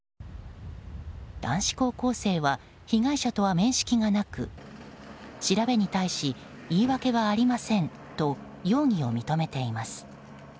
男子高校生は被害者とは面識がなく調べに対し言い訳はありませんと容疑を認めています。